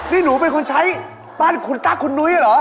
นี่หนูเป็นคนใช้บ้านคุณตั๊กคุณนุ้ยเหรอ